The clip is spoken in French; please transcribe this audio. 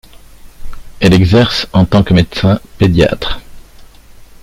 Elle exerce en tant que médecin-pédiatre.